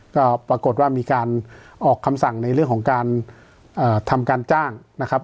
ก็ปรากฏว่ามีการออกคำสั่งในเรื่องของการทำการจ้างนะครับ